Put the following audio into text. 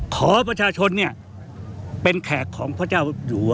ขอประชาชนเนี่ยเป็นแขกของพระเจ้าอยู่